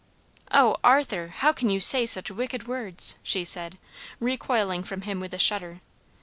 "Oh, Arthur, how can you say such wicked words," she said, recoiling from him with a shudder.